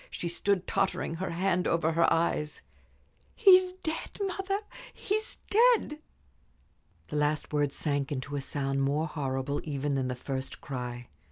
She stood tottering, her hand over her eyes. "He's dead, mother! He's dead!" The last word sank into a sound more horrible even than the first cry.